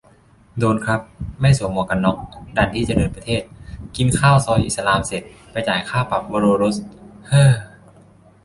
โดนครับ ไม่สวมหมวกกันน็อก ด่านที่เจริญประเทศ กินข้าวซอยอิสลามเสร็จ ไปจ่ายค่าปรับวโรรส เฮ่อ